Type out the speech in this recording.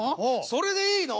それでいいの？